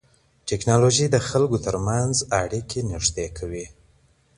ټکنالوژي د خلکو ترمنځ اړیکې نږدې کوي.